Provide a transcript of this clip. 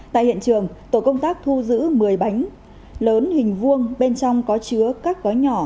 tại hiện trường tổ công tác thu giữ một mươi bánh lớn hình vuông bên trong có chứa các gói nhỏ